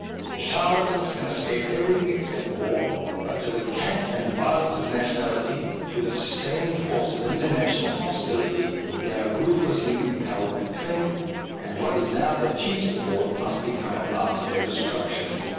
The charlatans can escape everything except war, but to the cant and violence of nationality, to the sustaining force of international hostility, they are ruthlessly compelled to cling, and what is now their chief support must become at last their destruction.